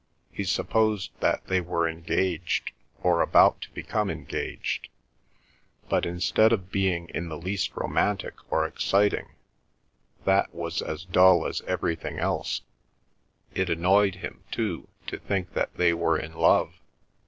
He supposed that they were engaged, or about to become engaged, but instead of being in the least romantic or exciting, that was as dull as everything else; it annoyed him, too, to think that they were in love.